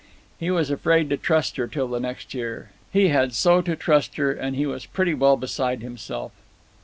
He was afraid to trust her till the next year, he had so to trust her, and he was pretty well beside himself.